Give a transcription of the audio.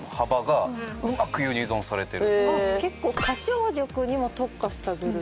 結構歌唱力にも特化したグループ？